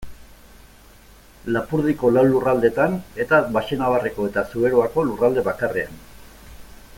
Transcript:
Lapurdiko lau lurraldetan, eta Baxenabarreko eta Zuberoako lurralde bakarrean.